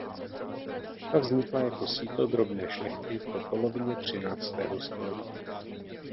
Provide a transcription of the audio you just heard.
Ta vznikla jako sídlo drobné šlechty po polovině třináctého století.